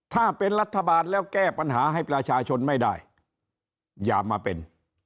ถ้าเป็นรัฐบาลแล้วแก้ปัญหาให้ประชาชนไม่ได้อย่ามาเป็น